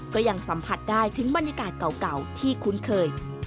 ก็ยังสัมผัสได้ถึงบรรยากาศเก่าที่คุ้นเคย